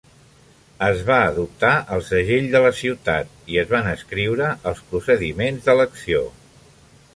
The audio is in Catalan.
Es va adoptar el segell de la ciutat, i es van escriure els procediments d'elecció.